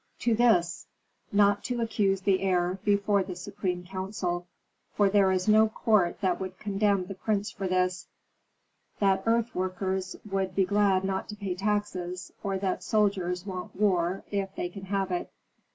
"To this, not to accuse the heir before the supreme council, for there is no court that would condemn the prince for this, that earth workers would be glad not to pay taxes, or that soldiers want war if they can have it.